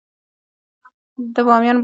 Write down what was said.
د بامیان باغونه کچالو لري.